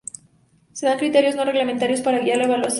Se dan criterios no reglamentarios para guiar la evaluación.